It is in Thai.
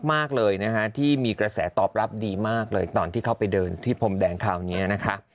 มากเลยนะคะที่มีกระแสตอบรับดีมากเลยตอนที่เขาไปเดินที่พรมแดงคราวนี้นะคะ